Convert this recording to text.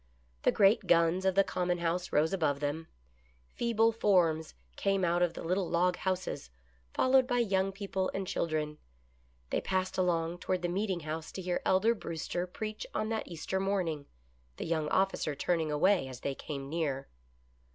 The great guns of the Common House rose above them. Feeble forms came out of the little log houses, followed by young people and children. They passed along toward the meeting house to hear Elder Brewster preach on that Easter morning, the young officer turning away as they came near.